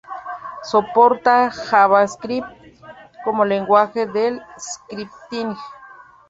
Soporta JavaScript como lenguaje de scripting.